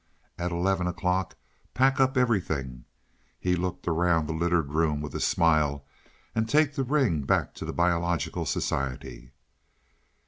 At eleven o'clock pack up everything" he looked around the littered room with a smile "and take the ring back to the Biological Society."